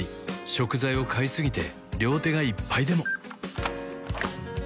食材を買いすぎて両手がいっぱいでも